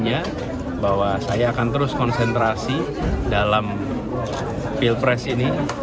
artinya bahwa saya akan terus konsentrasi dalam pilpres ini